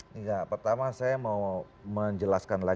enggak pertama saya mau menjelaskan